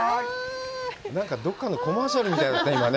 なんかどっかのコマーシャルみたいだったね。